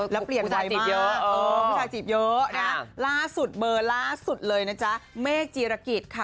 แล้วเปลี่ยนใจจีบเยอะผู้ชายจีบเยอะนะล่าสุดเบอร์ล่าสุดเลยนะจ๊ะเมฆจีรกิจค่ะ